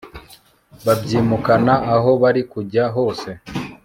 baryimukana aho bari kujya hose